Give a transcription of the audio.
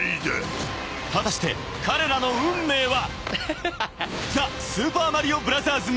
［果たして彼らの運命は？］